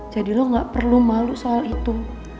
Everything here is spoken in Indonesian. jadi lo gak perlu malu soal itu